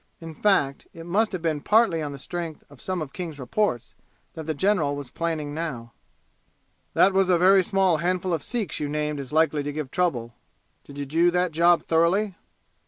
In fact it must have been partly on the strength of some of King's reports that the general was planning now. "That was a very small handful of Sikhs you named as likely to give trouble. Did you do that job thoroughly?"